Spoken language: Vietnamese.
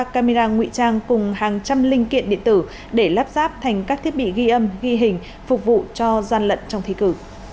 ba camera ngụy trang cùng hàng trăm linh linh kiện điện tử để lắp ráp thành các thiết bị ghi âm ghi hình phục vụ cho gian lận trong thi cử